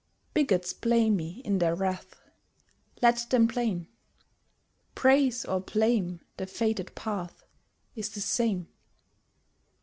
Bigots blame me in their wrath. Let them blame! Praise or blame, the fated path Is the same.